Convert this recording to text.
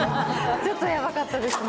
ちょっとやばかったですね。